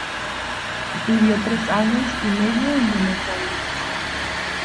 Vivió tres años y medio en Buenos Aires.